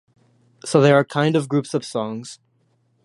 So there are kind of groups of songs.